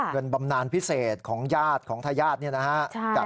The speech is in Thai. เงินบำนานพิเศษของยาดของทายาทนี่นะครับ